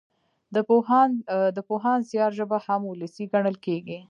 د پوهاند زيار ژبه هم وولسي ګڼل کېږي.